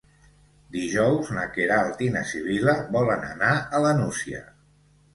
Dijous na Queralt i na Sibil·la volen anar a la Nucia.